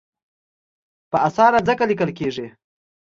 په اسانه ځکه لیکل کېږي.